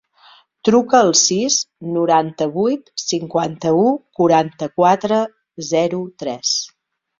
Truca al sis, noranta-vuit, cinquanta-u, quaranta-quatre, zero, tres.